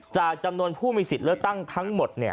จำนวนผู้มีสิทธิ์เลือกตั้งทั้งหมด